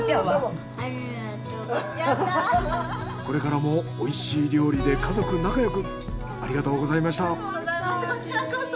これからもおいしい料理で家族仲よく。